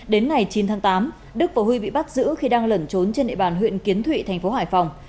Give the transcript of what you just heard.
đến ngày chín tháng tám đức và huy bị bắt giữ khi đang lẩn trốn trên địa bàn huyện kiến thụy thành phố hải phòng